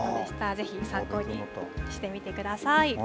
ぜひ参考にしてみてください。